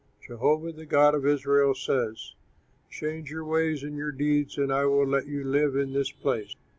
Jehovah, the God of Israel, says: Change your ways and your deeds and I will let you live in this place.